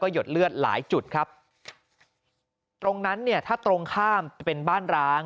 หยดเลือดหลายจุดครับตรงนั้นเนี่ยถ้าตรงข้ามจะเป็นบ้านร้าง